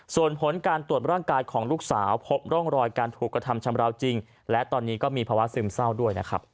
ส่วนผลการตรวจร่างกายของลูกสาวพบร่องรอยการถูกกระทำชำราวจริงและตอนนี้ก็มีภาวะซึมเศร้าด้วยนะครับ